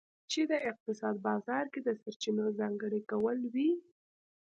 چې د اقتصاد بازار کې د سرچینو ځانګړي کول وي.